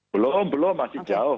belum belum masih jauh